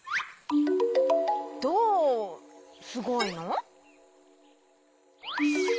どうすごいの？